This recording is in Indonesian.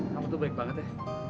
kamu tuh baik banget ya